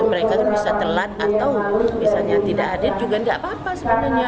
mereka bisa telat atau misalnya tidak ada juga tidak apa apa sebenarnya